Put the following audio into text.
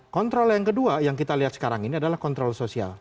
kontrol yang kedua yang kita lihat sekarang ini adalah kontrol sosial